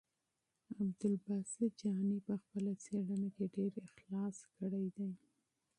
عبدالباسط جهاني په خپله څېړنه کې ډېر اخلاص کړی دی.